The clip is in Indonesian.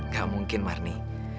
gak mungkin marni